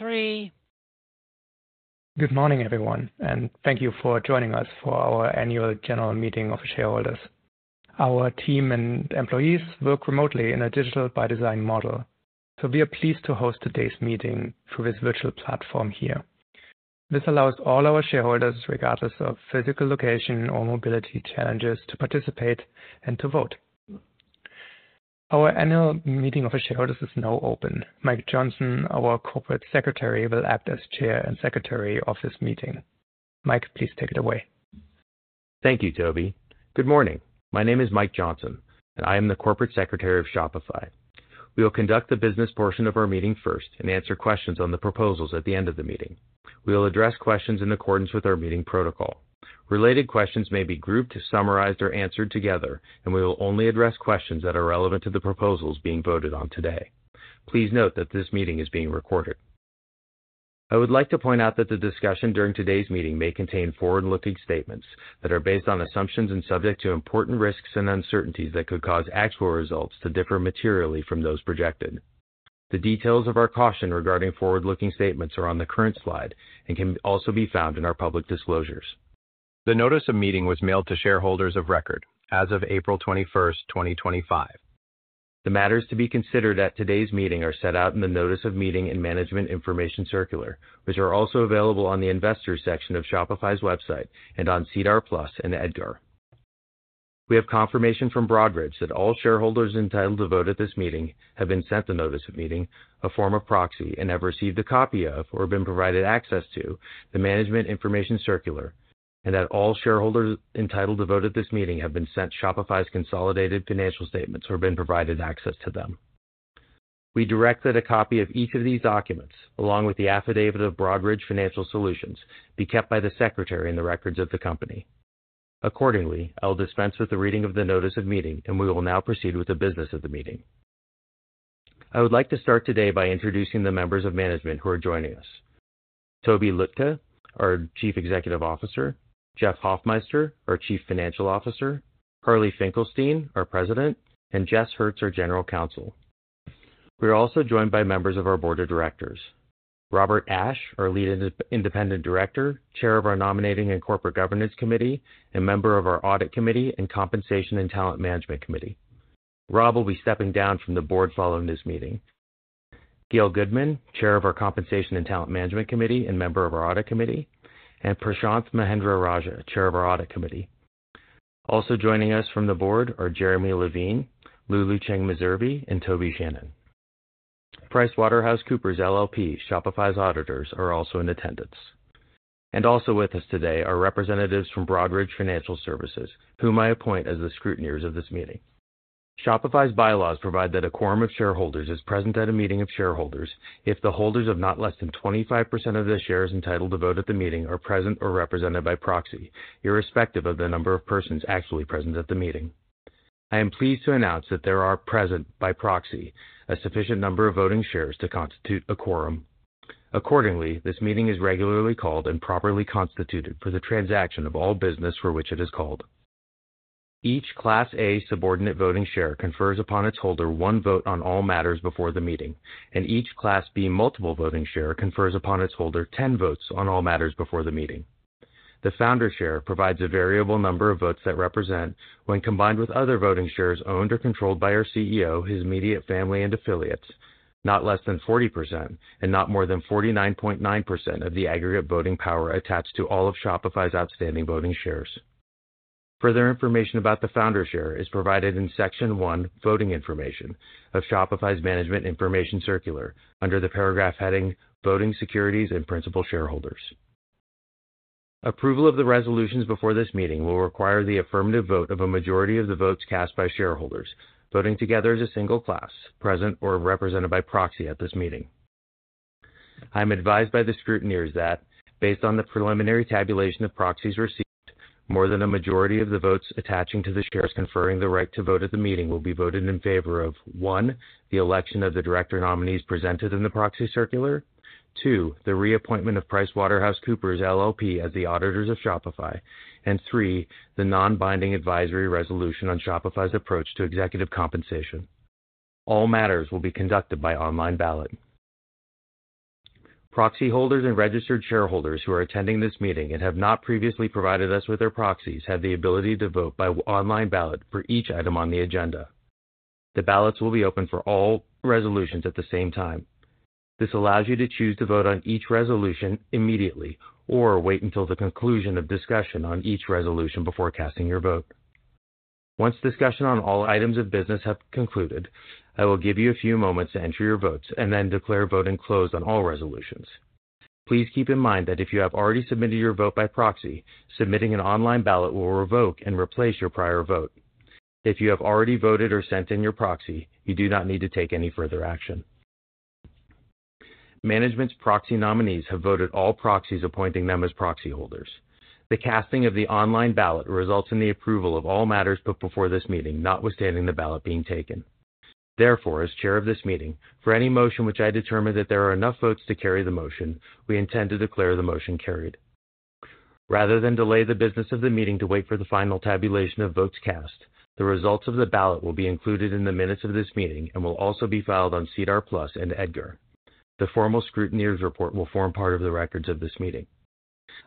Good morning, everyone, and thank you for joining us for our annual general meeting of shareholders. Our team and employees work remotely in a digital by design model, so we are pleased to host today's meeting through this virtual platform here. This allows all our shareholders, regardless of physical location or mobility challenges, to participate and to vote. Our annual meeting of shareholders is now open. Mike Johnson, our Corporate Secretary, will act as Chair and Secretary of this meeting. Mike, please take it away. Thank you, Toby. Good morning. My name is Mike Johnson, and I am the Corporate Secretary of Shopify. We will conduct the business portion of our meeting first and answer questions on the proposals at the end of the meeting. We will address questions in accordance with our meeting protocol. Related questions may be grouped, summarized, or answered together, and we will only address questions that are relevant to the proposals being voted on today. Please note that this meeting is being recorded. I would like to point out that the discussion during today's meeting may contain forward-looking statements that are based on assumptions and subject to important risks and uncertainties that could cause actual results to differ materially from those projected. The details of our caution regarding forward-looking statements are on the current slide and can also be found in our public disclosures. The notice of meeting was mailed to shareholders of record as of April 21, 2025. The matters to be considered at today's meeting are set out in the notice of meeting and management information circular, which are also available on the investors' section of Shopify's website and on SEDAR+ and EDGAR. We have confirmation from Broadridge that all shareholders entitled to vote at this meeting have been sent the notice of meeting, a form of proxy, and have received a copy of or been provided access to the management information circular, and that all shareholders entitled to vote at this meeting have been sent Shopify's consolidated financial statements or been provided access to them. We direct that a copy of each of these documents, along with the affidavit of Broadridge Financial Solutions, be kept by the Secretary in the records of the company. Accordingly, I'll dispense with the reading of the notice of meeting, and we will now proceed with the business of the meeting. I would like to start today by introducing the members of management who are joining us: Toby Lütke, our Chief Executive Officer; Jeff Hoffmeister, our Chief Financial Officer; Harley Finkelstein, our President; and Jess Hertz, our General Counsel. We are also joined by members of our Board of Directors: Robert Ashe, our lead independent director, chair of our nominating and corporate governance committee, and member of our audit committee and compensation and talent management committee. Rob will be stepping down from the Board following this meeting. Gail Goodman, chair of our compensation and talent management committee and member of our audit committee; and Prashant Mahendra Raja, chair of our audit committee. Also joining us from the board are Jeremy Levine, Lulu Cheng Mesri, and Toby Shannon. PricewaterhouseCoopers LLP, Shopify's auditors, are also in attendance. Also with us today are representatives from Broadridge Financial Solutions, whom I appoint as the scrutineers of this meeting. Shopify's bylaws provide that a quorum of shareholders is present at a meeting of shareholders if the holders of not less than 25% of the shares entitled to vote at the meeting are present or represented by proxy, irrespective of the number of persons actually present at the meeting. I am pleased to announce that there are present by proxy a sufficient number of voting shares to constitute a quorum. Accordingly, this meeting is regularly called and properly constituted for the transaction of all business for which it is called. Each Class A subordinate voting share confers upon its holder one vote on all matters before the meeting, and each Class B multiple voting share confers upon its holder 10 votes on all matters before the meeting. The founder share provides a variable number of votes that represent, when combined with other voting shares owned or controlled by our CEO, his immediate family and affiliates, not less than 40% and not more than 49.9% of the aggregate voting power attached to all of Shopify's outstanding voting shares. Further information about the founder share is provided in Section 1, Voting Information, of Shopify's management information circular under the paragraph heading, Voting Securities and Principal Shareholders. Approval of the resolutions before this meeting will require the affirmative vote of a majority of the votes cast by shareholders, voting together as a single class, present or represented by proxy at this meeting. I'm advised by the scrutineers that, based on the preliminary tabulation of proxies received, more than a majority of the votes attaching to the shares conferring the right to vote at the meeting will be voted in favor of: one, the election of the director nominees presented in the proxy circular; two, the reappointment of PricewaterhouseCoopers LLP as the auditors of Shopify; and three, the non-binding advisory resolution on Shopify's approach to executive compensation. All matters will be conducted by online ballot. Proxy holders and registered shareholders who are attending this meeting and have not previously provided us with their proxies have the ability to vote by online ballot for each item on the agenda. The ballots will be open for all resolutions at the same time. This allows you to choose to vote on each resolution immediately or wait until the conclusion of discussion on each resolution before casting your vote. Once discussion on all items of business has concluded, I will give you a few moments to enter your votes and then declare voting closed on all resolutions. Please keep in mind that if you have already submitted your vote by proxy, submitting an online ballot will revoke and replace your prior vote. If you have already voted or sent in your proxy, you do not need to take any further action. Management's proxy nominees have voted all proxies appointing them as proxy holders. The casting of the online ballot results in the approval of all matters put before this meeting, notwithstanding the ballot being taken. Therefore, as Chair of this meeting, for any motion which I determine that there are enough votes to carry the motion, we intend to declare the motion carried. Rather than delay the business of the meeting to wait for the final tabulation of votes cast, the results of the ballot will be included in the minutes of this meeting and will also be filed on SEDAR+ and EDGAR. The formal scrutineer's report will form part of the records of this meeting.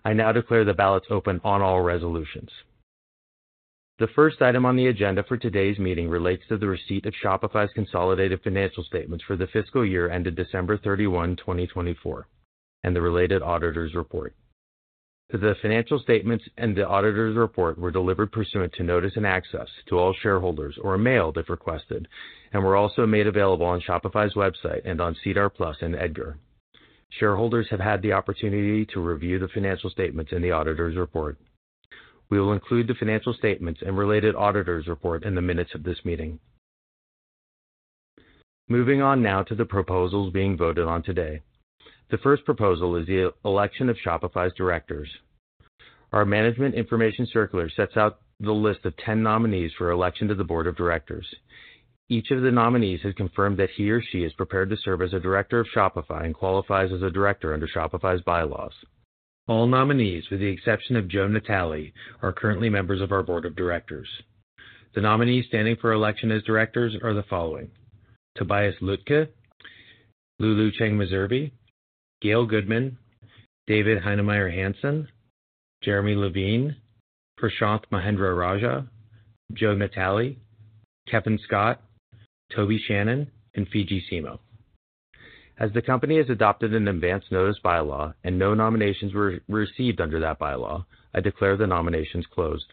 I now declare the ballots open on all resolutions. The first item on the agenda for today's meeting relates to the receipt of Shopify's consolidated financial statements for the fiscal year ended December 31, 2024, and the related auditor's report. The financial statements and the auditor's report were delivered pursuant to notice and access to all shareholders or mailed if requested, and were also made available on Shopify's website and on SEDAR+ and EDGAR. Shareholders have had the opportunity to review the financial statements and the auditor's report. We will include the financial statements and related auditor's report in the minutes of this meeting. Moving on now to the proposals being voted on today. The first proposal is the election of Shopify's directors. Our management information circular sets out the list of 10 nominees for election to the Board of Directors. Each of the nominees has confirmed that he or she is prepared to serve as a director of Shopify and qualifies as a director under Shopify's bylaws. All nominees, with the exception of Joe Natali, are currently members of our Board of Directors. The nominees standing for election as directors are the following: Tobias Lütke, Lulu Cheng Mesri, Gail Goodman, David Heinemeier Hansson, Jeremy Levine, Prashant Mahendra Raja, Joe Natali, Kevin Scott, Toby Shannon, and Fidji Simo. As the company has adopted an advance notice bylaw and no nominations were received under that bylaw, I declare the nominations closed.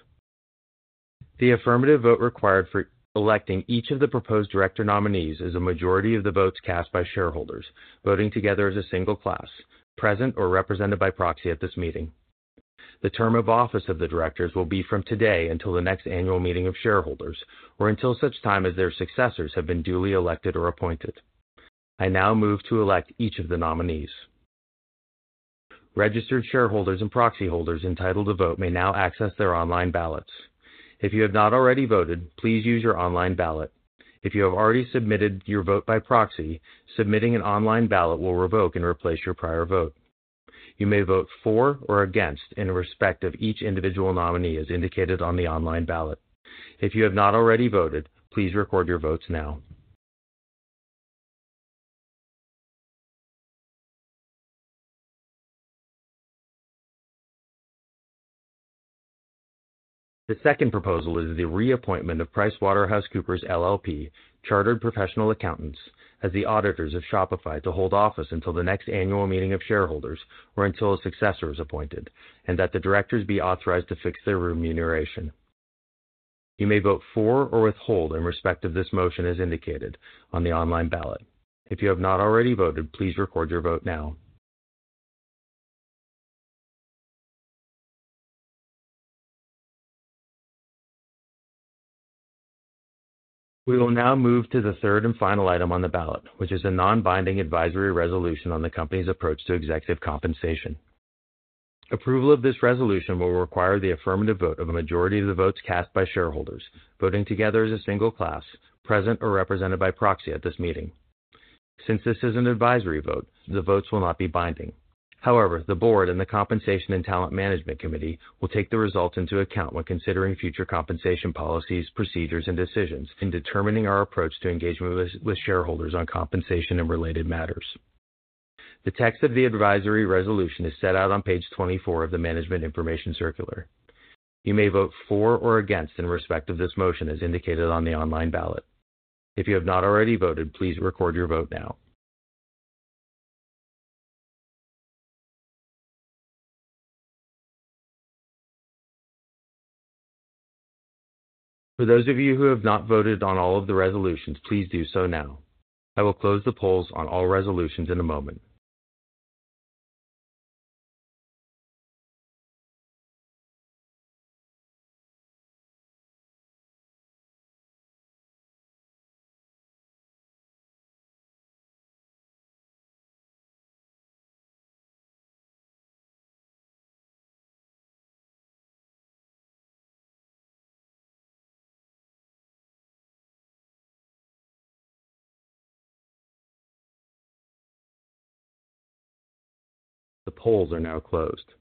The affirmative vote required for electing each of the proposed director nominees is a majority of the votes cast by shareholders, voting together as a single class, present or represented by proxy at this meeting. The term of office of the directors will be from today until the next annual meeting of shareholders or until such time as their successors have been duly elected or appointed. I now move to elect each of the nominees. Registered shareholders and proxy holders entitled to vote may now access their online ballots. If you have not already voted, please use your online ballot. If you have already submitted your vote by proxy, submitting an online ballot will revoke and replace your prior vote. You may vote for or against in respect of each individual nominee as indicated on the online ballot. If you have not already voted, please record your votes now. The second proposal is the reappointment of PricewaterhouseCoopers LLP, Chartered Professional Accountants, as the auditors of Shopify to hold office until the next annual meeting of shareholders or until a successor is appointed, and that the directors be authorized to fix their remuneration. You may vote for or withhold in respect of this motion as indicated on the online ballot. If you have not already voted, please record your vote now. We will now move to the third and final item on the ballot, which is a non-binding advisory resolution on the company's approach to executive compensation. Approval of this resolution will require the affirmative vote of a majority of the votes cast by shareholders, voting together as a single class, present or represented by proxy at this meeting. Since this is an advisory vote, the votes will not be binding. However, the Board and the compensation and talent management committee will take the results into account when considering future compensation policies, procedures, and decisions in determining our approach to engagement with shareholders on compensation and related matters. The text of the advisory resolution is set out on page 24 of the management information circular. You may vote for or against in respect of this motion as indicated on the online ballot. If you have not already voted, please record your vote now. For those of you who have not voted on all of the resolutions, please do so now. I will close the polls on all resolutions in a moment. The polls are now closed.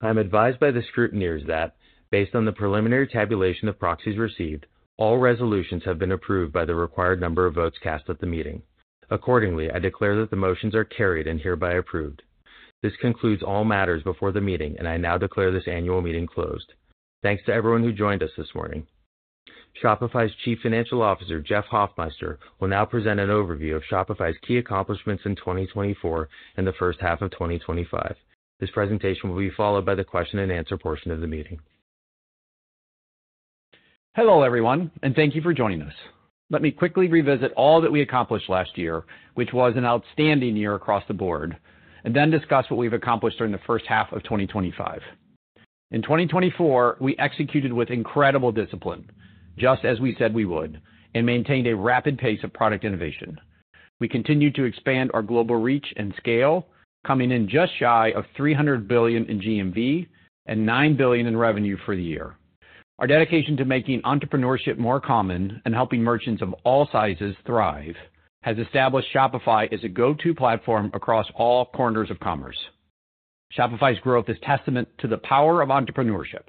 I'm advised by the scrutineers that, based on the preliminary tabulation of proxies received, all resolutions have been approved by the required number of votes cast at the meeting. Accordingly, I declare that the motions are carried and hereby approved. This concludes all matters before the meeting, and I now declare this annual meeting closed. Thanks to everyone who joined us this morning. Shopify's Chief Financial Officer, Jeff Hoffmeister, will now present an overview of Shopify's key accomplishments in 2024 and the first half of 2025. This presentation will be followed by the question-and-answer portion of the meeting. Hello everyone, and thank you for joining us. Let me quickly revisit all that we accomplished last year, which was an outstanding year across the board, and then discuss what we've accomplished during the first half of 2025. In 2024, we executed with incredible discipline, just as we said we would, and maintained a rapid pace of product innovation. We continued to expand our global reach and scale, coming in just shy of $300 billion in GMV and $9 billion in revenue for the year. Our dedication to making entrepreneurship more common and helping merchants of all sizes thrive has established Shopify as a go-to platform across all corners of commerce. Shopify's growth is testament to the power of entrepreneurship.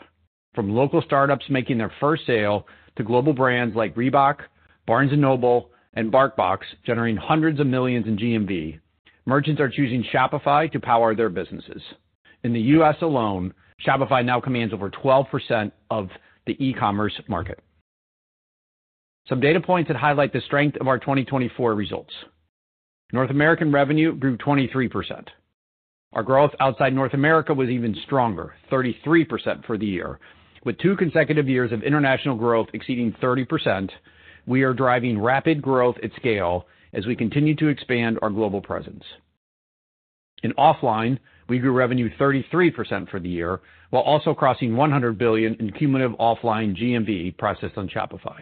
From local startups making their first sale to global brands like Reebok, Barnes & Noble, and BarkBox, generating hundreds of millions in GMV, merchants are choosing Shopify to power their businesses. In the U.S. Alone, Shopify now commands over 12% of the e-commerce market. Some data points that highlight the strength of our 2024 results. North American revenue grew 23%. Our growth outside North America was even stronger, 33% for the year. With two consecutive years of international growth exceeding 30%, we are driving rapid growth at scale as we continue to expand our global presence. In offline, we grew revenue 33% for the year while also crossing $100 billion in cumulative offline GMV processed on Shopify.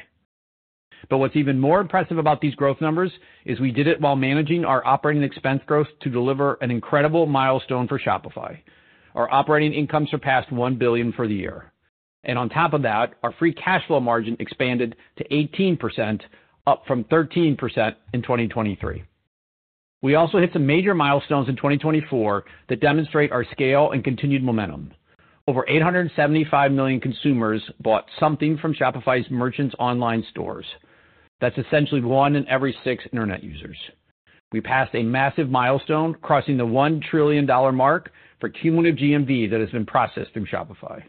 What is even more impressive about these growth numbers is we did it while managing our operating expense growth to deliver an incredible milestone for Shopify. Our operating income surpassed $1 billion for the year. On top of that, our free cash flow margin expanded to 18%, up from 13% in 2023. We also hit some major milestones in 2024 that demonstrate our scale and continued momentum. Over 875 million consumers bought something from Shopify's merchants' online stores. That is essentially one in every six internet users. We passed a massive milestone crossing the $1 trillion mark for cumulative GMV that has been processed through Shopify.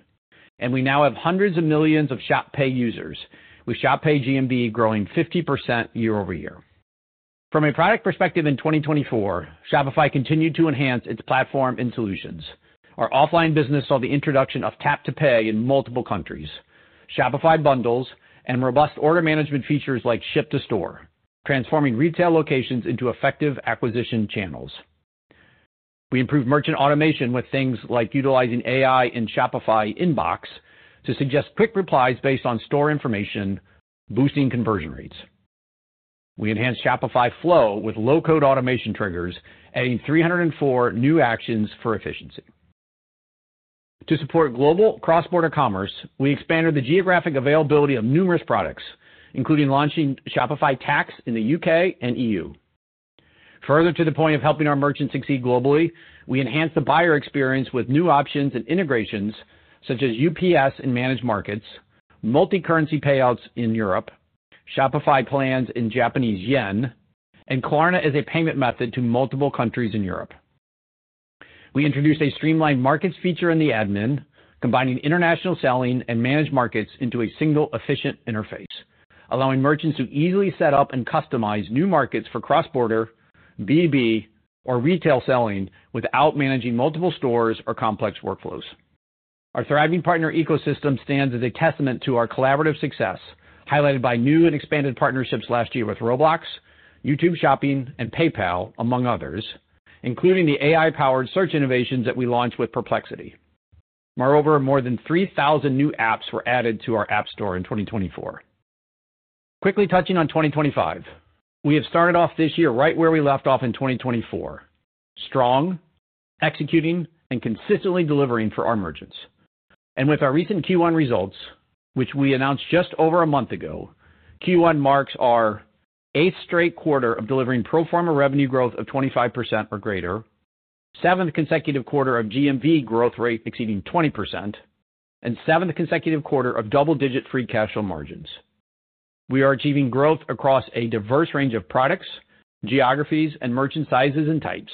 We now have hundreds of millions of ShopPay users, with ShopPay GMV growing 50% year-over-year. From a product perspective in 2024, Shopify continued to enhance its platform and solutions. Our offline business saw the introduction of tap-to-pay in multiple countries, Shopify Bundles, and robust order management features like ship-to-store, transforming retail locations into effective acquisition channels. We improved merchant automation with things like utilizing AI in Shopify Inbox to suggest quick replies based on store information, boosting conversion rates. We enhanced Shopify Flow with low-code automation triggers, adding 304 new actions for efficiency. To support global cross-border commerce, we expanded the geographic availability of numerous products, including launching Shopify Tax in the U.K. and EU. Further to the point of helping our merchants succeed globally, we enhanced the buyer experience with new options and integrations such as UPS and managed markets, multi-currency payouts in Europe, Shopify plans in Japanese yen, and Klarna as a payment method to multiple countries in Europe. We introduced a streamlined markets feature in the admin, combining international selling and managed markets into a single efficient interface, allowing merchants to easily set up and customize new markets for cross-border, B2B, or retail selling without managing multiple stores or complex workflows. Our thriving partner ecosystem stands as a testament to our collaborative success, highlighted by new and expanded partnerships last year with Roblox, YouTube Shopping, and PayPal, among others, including the AI-powered search innovations that we launched with Perplexity. Moreover, more than 3,000 new apps were added to our app store in 2024. Quickly touching on 2025, we have started off this year right where we left off in 2024: strong, executing, and consistently delivering for our merchants. With our recent Q1 results, which we announced just over a month ago, Q1 marks our eighth straight quarter of delivering pro forma revenue growth of 25% or greater, seventh consecutive quarter of GMV growth rate exceeding 20%, and seventh consecutive quarter of double-digit free cash flow margins. We are achieving growth across a diverse range of products, geographies, and merchant sizes and types,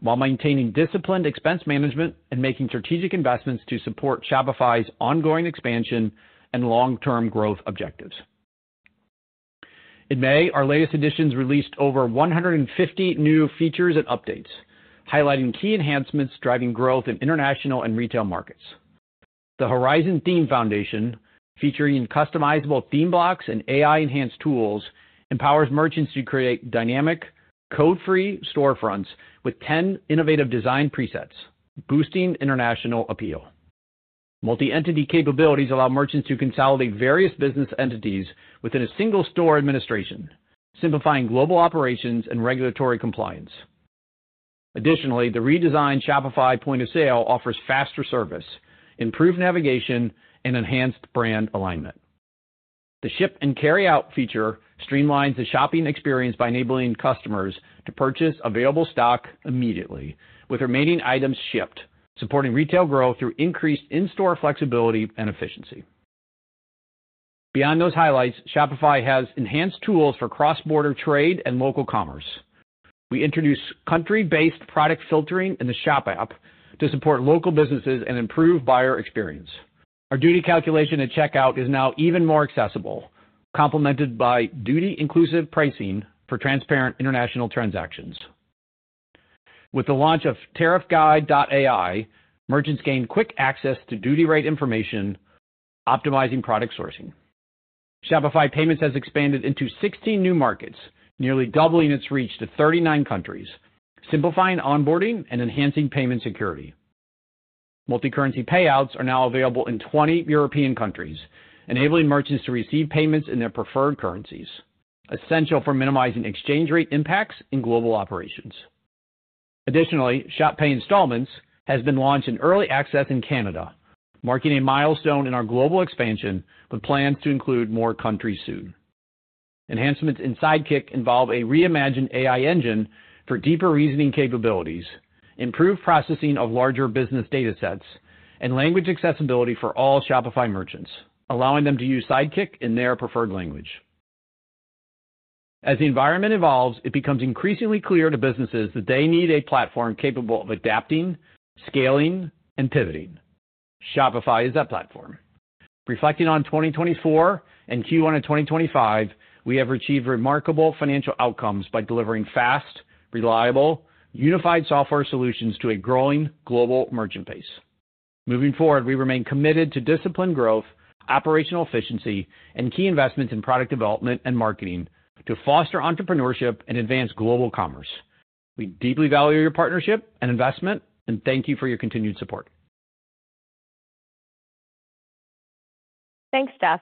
while maintaining disciplined expense management and making strategic investments to support Shopify's ongoing expansion and long-term growth objectives. In May, our latest editions released over 150 new features and updates, highlighting key enhancements driving growth in international and retail markets. The Horizon Theme Foundation, featuring customizable theme blocks and AI-enhanced tools, empowers merchants to create dynamic, code-free storefronts with 10 innovative design presets, boosting international appeal. Multi-entity capabilities allow merchants to consolidate various business entities within a single store administration, simplifying global operations and regulatory compliance. Additionally, the redesigned Shopify Point of Sale offers faster service, improved navigation, and enhanced brand alignment. The ship-and-carry-out feature streamlines the shopping experience by enabling customers to purchase available stock immediately with remaining items shipped, supporting retail growth through increased in-store flexibility and efficiency. Beyond those highlights, Shopify has enhanced tools for cross-border trade and local commerce. We introduced country-based product filtering in the Shop App to support local businesses and improve buyer experience. Our duty calculation at checkout is now even more accessible, complemented by duty-inclusive pricing for transparent international transactions. With the launch of tariffguide.ai, merchants gain quick access to duty rate information, optimizing product sourcing. Shopify Payments has expanded into 16 new markets, nearly doubling its reach to 39 countries, simplifying onboarding and enhancing payment security. Multi-currency payouts are now available in 20 European countries, enabling merchants to receive payments in their preferred currencies, essential for minimizing exchange rate impacts in global operations. Additionally, ShopPay Installments has been launched in early access in Canada, marking a milestone in our global expansion with plans to include more countries soon. Enhancements in Sidekick involve a reimagined AI engine for deeper reasoning capabilities, improved processing of larger business data sets, and language accessibility for all Shopify merchants, allowing them to use Sidekick in their preferred language. As the environment evolves, it becomes increasingly clear to businesses that they need a platform capable of adapting, scaling, and pivoting. Shopify is that platform. Reflecting on 2024 and Q1 of 2025, we have achieved remarkable financial outcomes by delivering fast, reliable, unified software solutions to a growing global merchant base. Moving forward, we remain committed to disciplined growth, operational efficiency, and key investments in product development and marketing to foster entrepreneurship and advance global commerce. We deeply value your partnership and investment, and thank you for your continued support. Thanks, Jeff.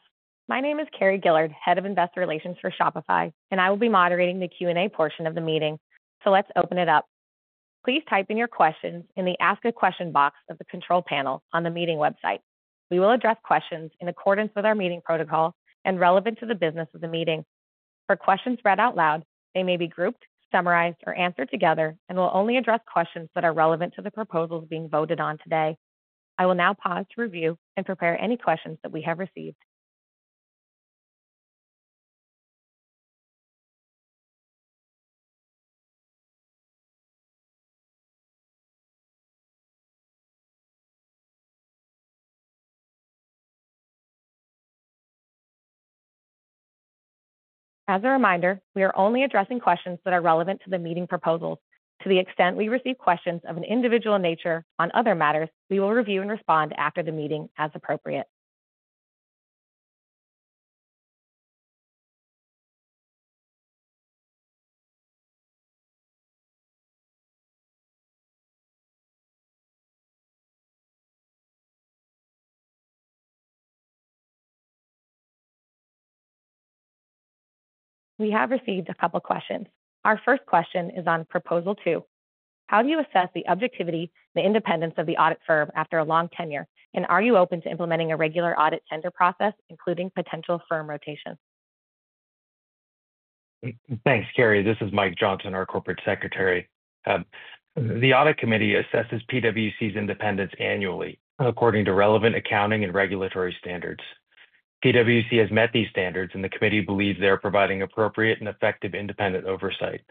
My name is Carrie Gillard, Head of Investor Relations for Shopify, and I will be moderating the Q&A portion of the meeting, so let's open it up. Please type in your questions in the Ask a Question box of the control panel on the meeting website. We will address questions in accordance with our meeting protocol and relevant to the business of the meeting. For questions read out loud, they may be grouped, summarized, or answered together, and we'll only address questions that are relevant to the proposals being voted on today. I will now pause to review and prepare any questions that we have received. As a reminder, we are only addressing questions that are relevant to the meeting proposals. To the extent we receive questions of an individual nature on other matters, we will review and respond after the meeting as appropriate. We have received a couple of questions. Our first question is on Proposal 2. How do you assess the objectivity and independence of the audit firm after a long tenure, and are you open to implementing a regular audit tender process, including potential firm rotation? Thanks, Carrie. This is Mike Johnson, our Corporate Secretary. The audit committee assesses PwC's independence annually according to relevant accounting and regulatory standards. PwC has met these standards, and the committee believes they are providing appropriate and effective independent oversight.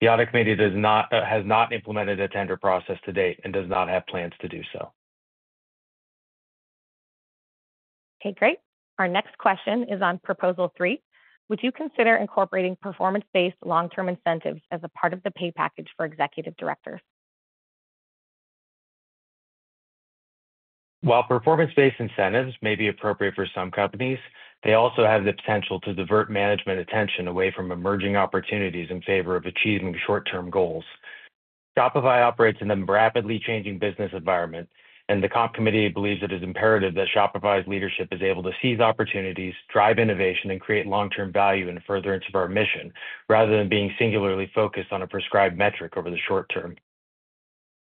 The audit committee has not implemented a tender process to date and does not have plans to do so. Okay, great. Our next question is on Proposal 3. Would you consider incorporating performance-based long-term incentives as a part of the pay package for executive directors? While performance-based incentives may be appropriate for some companies, they also have the potential to divert management attention away from emerging opportunities in favor of achieving short-term goals. Shopify operates in a rapidly changing business environment, and the Comp Committee believes it is imperative that Shopify's leadership is able to seize opportunities, drive innovation, and create long-term value and furtherance of our mission, rather than being singularly focused on a prescribed metric over the short term.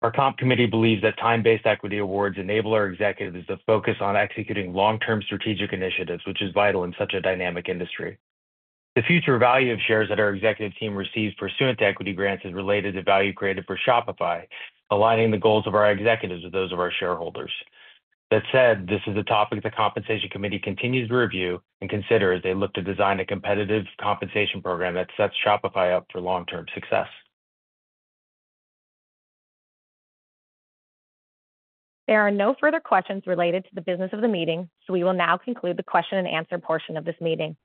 Our Comp Committee believes that time-based equity awards enable our executives to focus on executing long-term strategic initiatives, which is vital in such a dynamic industry. The future value of shares that our executive team receives pursuant to equity grants is related to value created for Shopify, aligning the goals of our executives with those of our shareholders. That said, this is a topic the Compensation Committee continues to review and consider as they look to design a competitive compensation program that sets Shopify up for long-term success. There are no further questions related to the business of the meeting, so we will now conclude the question-and-answer portion of this meeting.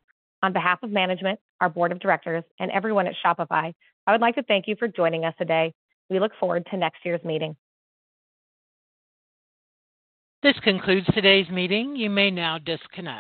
On behalf of management, our Board of Directors, and everyone at Shopify, I would like to thank you for joining us today. We look forward to next year's meeting. This concludes today's meeting. You may now disconnect.